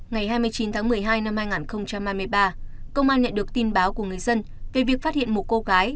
ngày hai mươi chín tháng một mươi hai năm hai nghìn hai mươi ba công an nhận được tin báo của người dân về việc phát hiện một cô gái